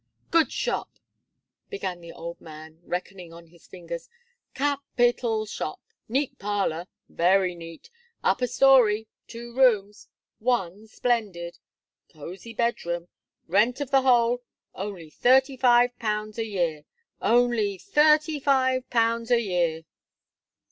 "Good shop," began the old man, reckoning on his fingers, "ca pital shop; neat parlour very neat; upper storey, two rooms; one splendid; cosy bed room; rent of the whole, only thirty five pounds a year only thirty five pounds a year!"